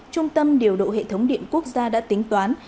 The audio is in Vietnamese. trung tâm điều độ hệ thống điện quốc gia đã tính toán